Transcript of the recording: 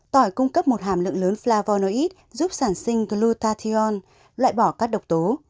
tỏi cung cấp một hàm lượng lớn flavonoid giúp sản sinh glutathione loại bỏ các độc tố